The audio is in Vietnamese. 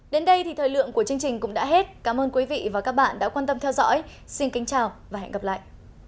đến đây thì thời lượng của chương trình cũng đã hết cảm ơn quý vị và các bạn đã quan tâm theo dõi xin kính chào và hẹn gặp lại